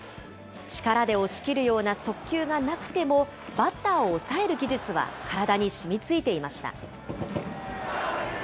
力で押し切るような速球がなくても、バッターを抑える技術は体に染みついていました。